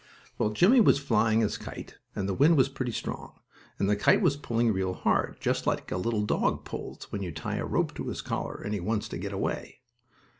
Well, Jimmie was flying his kite, and the wind was pretty strong, and the kite was pulling real hard, just like a little dog pulls, when you tie a rope to his collar, and he wants to get away.